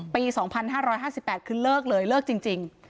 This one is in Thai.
ปี๒๕๕๘คือเลิกเลยเลิกจริง